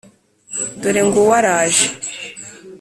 Dore nguwo araje